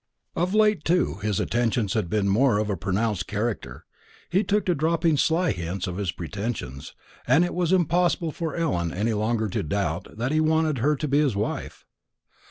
Of late, too, his attentions had been of a more pronounced character; he took to dropping sly hints of his pretensions, and it was impossible for Ellen any longer to doubt that he wanted her to be his wife.